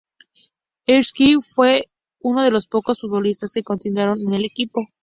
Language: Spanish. Scalise fue uno de los pocos futbolistas que continuaron en el equipo.